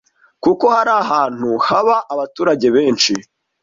kuko hari ahantu haba abaturage benshi